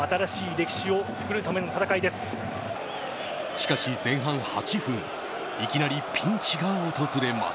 しかし前半８分いきなりピンチが訪れます。